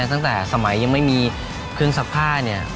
ตั้งแต่สมัยยังไม่มีเครื่องซักผ้าเนี่ย